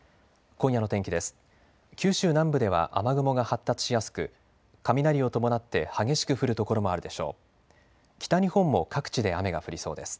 今夜の天気です。